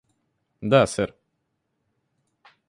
Да, сэр